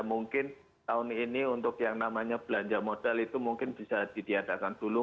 mungkin tahun ini untuk yang namanya belanja modal itu mungkin bisa ditiadakan dulu